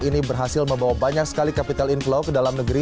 ini berhasil membawa banyak sekali capital inflow ke dalam negeri